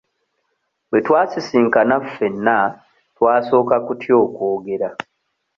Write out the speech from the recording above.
Bwe twasisinkana ffenna twasooka kutya okwogera.